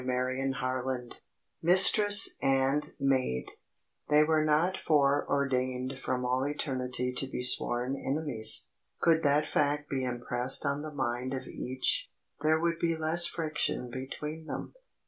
CHAPTER XXXVII MISTRESS AND MAID THEY were not foreordained from all eternity to be sworn enemies. Could that fact be impressed on the mind of each, there would be less friction between them.